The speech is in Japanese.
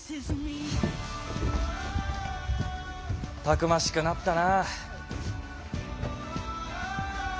たくましくなったな。